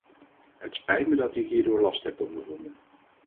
Het spijt me dat u hierdoor last hebt ondervonden.